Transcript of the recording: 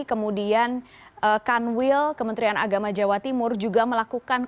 kemudian kanwil kementerian agama jawa timur juga melakukan